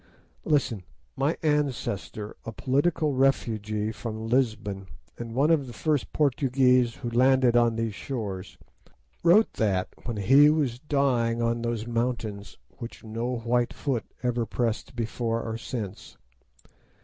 Listen: my ancestor, a political refugee from Lisbon, and one of the first Portuguese who landed on these shores, wrote that when he was dying on those mountains which no white foot ever pressed before or since.